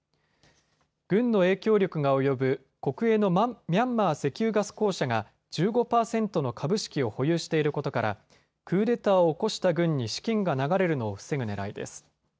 軍の影響力が及ぶ国営のミャンマー石油ガス公社が１５％の株式を保有していることからクーデターを起こした軍に資金が流れるのを防ぐねらいです。